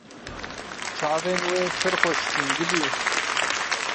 Çavên wê pir xweşik in gidî.